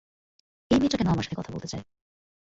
এই মেয়েটা কেন আমার সাথে কথা বলতে চায়?